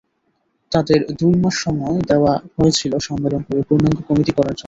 তাদের দুই মাস সময় দেওয়া হয়েছিল সম্মেলন করে পূর্ণাঙ্গ কমিটি করার জন্য।